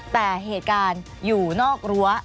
แต่เหตุการณ์อยู่นอกรั้ว